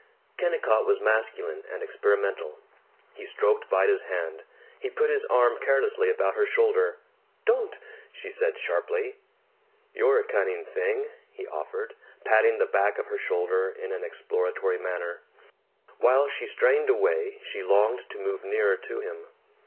Kennicott was masculine and experimental. He stroked Vida's hand, he put his arm carelessly about her shoulder. "Don't!" she said sharply. "You're a cunning thing," he offered, patting the back of her shoulder in an exploratory manner. While she strained away, she longed to move nearer to him.